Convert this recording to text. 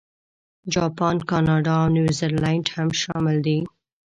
جاپان، کاناډا، او نیوزیلانډ هم شامل دي.